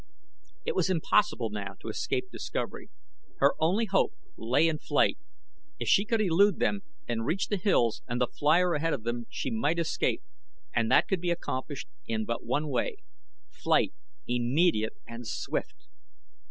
It was impossible now to escape discovery. Her only hope lay in flight. If she could elude them and reach the hills and the flier ahead of them she might escape, and that could be accomplished in but one way flight, immediate and swift.